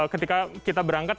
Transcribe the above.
ketika kita berangkat